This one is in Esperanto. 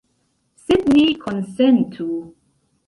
Sed ni konsentu.